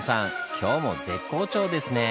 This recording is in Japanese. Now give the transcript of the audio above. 今日も絶好調ですねぇ！